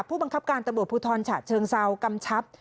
ผู้บังคับการตะบุดภูทรฉะเชิงเซากรรมชัพ